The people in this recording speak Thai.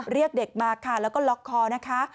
เรียกเด็กมาค่ะแล้วก็ล็อกคอนะคะ